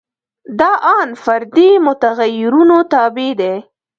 دا ان فردي متغیرونو تابع دي.